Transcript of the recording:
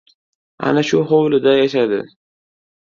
Ana shu hovlida yashadi.